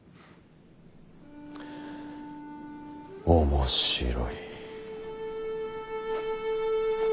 面白い。